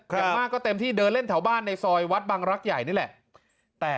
อย่างมากก็เต็มที่เดินเล่นแถวบ้านในซอยวัดบังรักใหญ่นี่แหละ